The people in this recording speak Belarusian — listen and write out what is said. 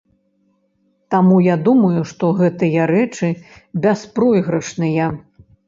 Таму я думаю, што гэтыя рэчы бяспройгрышныя.